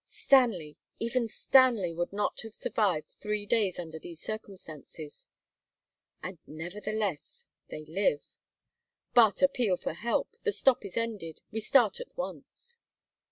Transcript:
"Stanley even Stanley would not have survived three days under these circumstances." "And nevertheless they live." "But appeal for help. The stop is ended. We start at once."